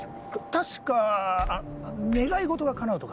確か願い事がかなうとか。